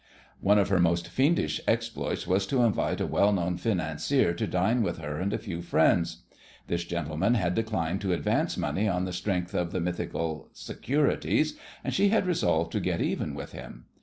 One of her most fiendish exploits was to invite a well known financier to dine with her and a few friends. This gentleman had declined to advance money on the strength of the mythical securities, and she had resolved to get even with him.